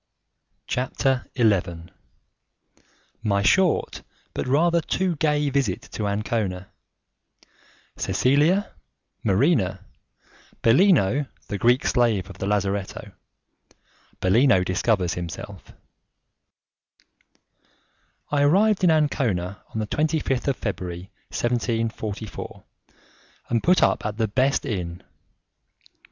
CHAPTER XI My Short But Rather Too Gay Visit To Ancona Cecilia, Marina, Bellino the Greek Slave of the Lazzaretto Bellino Discovers Himself I arrived in Ancona on the 25th of February, 1744, and put up at the best inn.